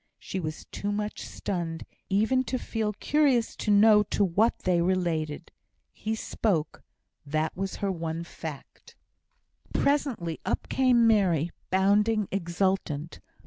She was too much stunned even to feel curious to know to what they related. He spoke. That was her one fact. Presently up came Mary, bounding, exultant.